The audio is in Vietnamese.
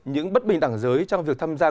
những bất bình đẳng giới trong việc tham gia